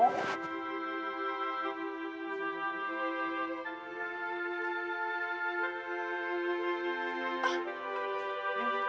oh ini dong